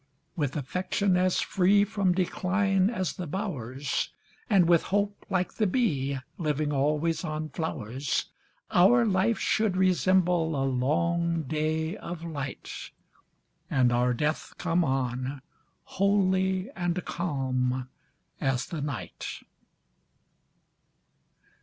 With affection as free From decline as the bowers, And, with hope, like the bee, Living always on flowers, Our life should resemble a long day of light, And our death come on, holy and calm as the night.